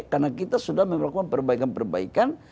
karena kita sudah melakukan perbaikan perbaikan